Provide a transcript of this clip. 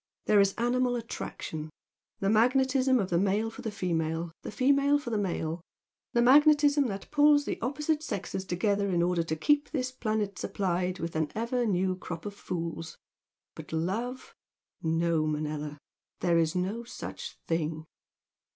There is animal attraction, the magnetism of the male for the female, the female for the male, the magnetism that pulls the opposite sexes together in order to keep this planet supplied with an ever new crop of fools, but love! No, Manella! There is no such thing!"